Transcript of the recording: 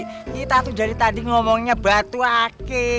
kita tuh dari tadi ngomongnya batu ake